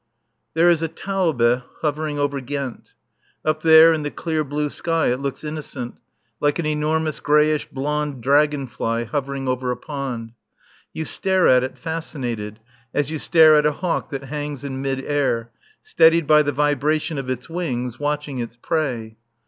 There is a Taube hovering over Ghent. Up there, in the clear blue sky it looks innocent, like an enormous greyish blond dragon fly hovering over a pond. You stare at it, fascinated, as you stare at a hawk that hangs in mid air, steadied by the vibration of its wings, watching its prey.